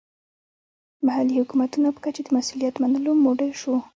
محلي حکومتونو په کچه د مسوولیت منلو موډل شو.